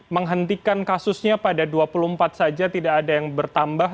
menghentikan kasusnya pada dua puluh empat saja tidak ada yang bertambah